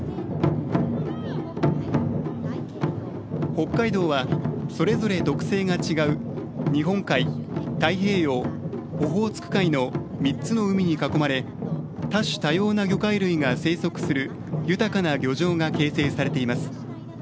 北海道は、それぞれ特性が違う日本海、太平洋、オホーツク海の３つの海に囲まれ多種多様な魚介類が生息する豊かな漁場が形成されています。